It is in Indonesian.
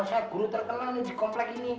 saya guru terkenal nih di komplek ini